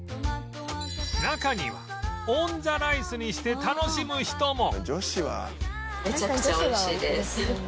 中にはオンザライスにして楽しむ人も